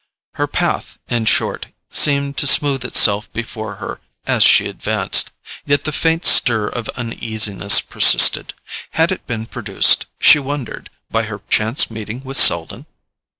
Her path, in short, seemed to smooth itself before her as she advanced; yet the faint stir of uneasiness persisted. Had it been produced, she wondered, by her chance meeting with Selden?